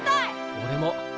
おれも！